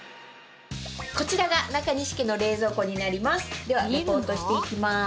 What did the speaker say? こちらが中西家の冷蔵庫になりますではリポートしていきます